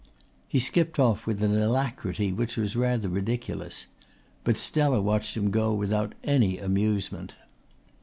He skipped off with an alacrity which was rather ridiculous. But Stella watched him go without any amusement.